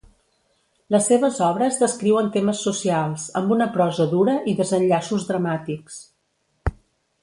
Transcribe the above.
Les seves obres descriuen temes socials, amb una prosa dura i desenllaços dramàtics.